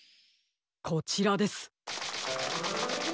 こちらです。